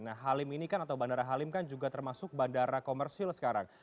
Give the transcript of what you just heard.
nah halim ini kan atau bandara halim kan juga termasuk bandara komersil sekarang